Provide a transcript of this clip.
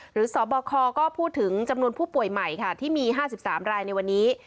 สบคก็พูดถึงจำนวนผู้ป่วยใหม่ค่ะที่มี๕๓รายในวันนี้